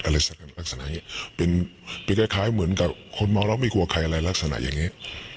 อะไรสักลักษณะอย่างเงี้ยเป็นเป็นคล้ายคล้ายเหมือนกับคนเมาแล้วไม่กลัวใครอะไรลักษณะอย่างเงี้ย